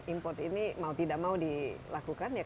import ini mau tidak mau dilakukan ya